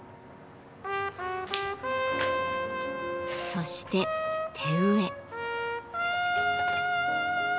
そして手植え。